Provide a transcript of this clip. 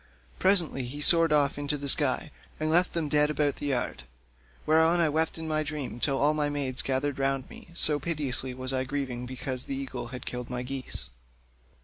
Presently he soared off into the sky, and left them lying dead about the yard; whereon I wept in my dream till all my maids gathered round me, so piteously was I grieving because the eagle had killed my geese.